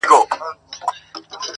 خلگو شتنۍ د ټول جهان څخه راټولي كړې.